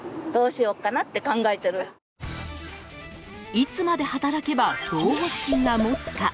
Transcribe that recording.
いつまで働けば老後資金が持つか。